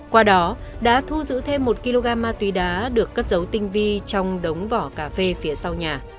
qua đó đã thu giữ thêm một kg ma túy đá được cất dấu tinh vi trong đống vỏ cà phê phía sau nhà